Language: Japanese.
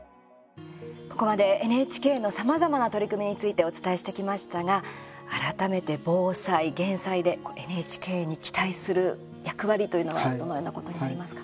ここまで、ＮＨＫのさまざまな取り組みについてお伝えしてきましたが改めて、防災・減災でＮＨＫに期待する役割というのはどのようなことになりますか？